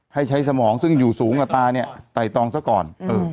ให้ใช้สมองซึ่งอยู่สูงกว่าตาเนี่ยไต่ตองซะก่อน